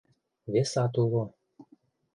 Весат уло...